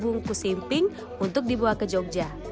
enam belas bungkus simping untuk dibawa ke jogja